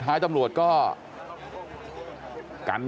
กลับไปลองกลับ